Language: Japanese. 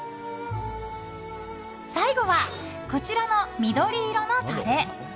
最後は、こちらの緑色のタレ。